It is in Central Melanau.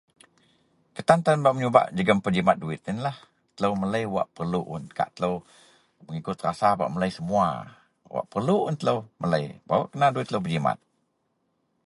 Kutan an bak menyubak jegem pejimat iyenlah duwit telo melei wak perlu un kak telo mengikut rasa bak melei semua wak perlu un telo melei barouk kena duwit telo pejimat.